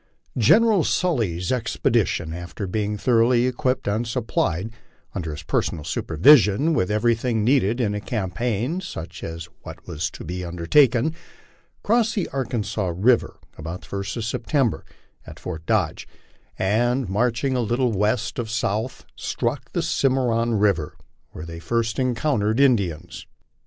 General Sully's expedition, after being thoroughly equipped and supplied, under his personal supervision, with everything needful in a campaign such as was about to be undertaken, crossed the Arkansas river about the 1st of September, at Fort Dodge, and marching a little west cf south struck the Cimarron river, where they frrst encountered HO LIFE ON THE PLAINS. Indians.